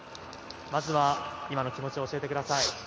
まずは今の気持ち教えてください。